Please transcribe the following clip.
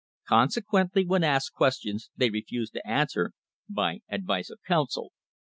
Consequently when asked questions they refused to answer "by advice of counsel."